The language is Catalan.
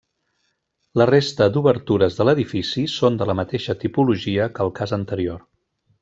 La resta d'obertures de l'edifici són de la mateixa tipologia que el cas anterior.